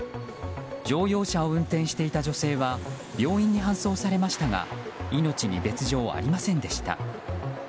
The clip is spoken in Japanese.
乗用車を運転していた女性は病院に搬送されましたが命に別条はありませんでした。